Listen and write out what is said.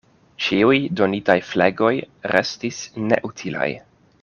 Ĉiuj donitaj flegoj restis neutilaj.